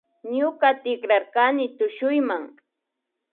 Ñuka tikrarkani tushuyma